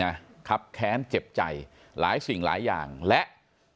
นะครับแค้นเจ็บใจหลายสิ่งหลายอย่างและ